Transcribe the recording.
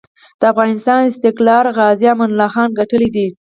د افغانسان استقلار غازي امان الله خان ګټلی دی.